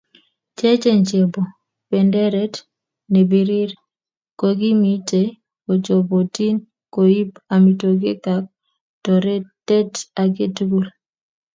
Cheechen chebo benderet nebirir kokimitei kochobotin koib amitwogik ak toretet age tugul